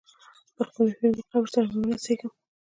د خپلو هیلو د قبر سره مې ونڅیږم.